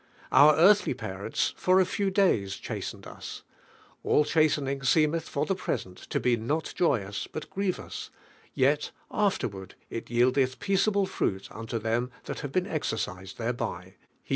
Our earthly parents "for a few days chastened us All chastening seemeth for the present to be not joyous, but grievous, yet afterward it yiehteth the peaceable fruit of righteousness unto them that have been exerrisefi thereby" (Heb.